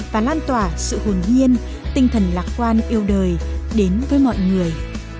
và lan tỏa sự hồn nhiên tinh thần lạc quan yêu đời đến với mọi người